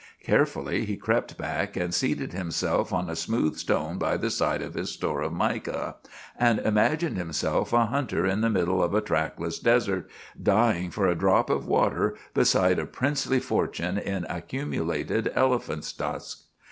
Carefully he crept back and seated himself on a smooth stone by the side of his store of mica, and imagined himself a hunter in the middle of a trackless desert, dying for a drop of water beside a princely fortune in accumulated elephants' tusks.